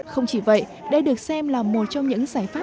không chỉ vậy đây được xem là một trong những giải pháp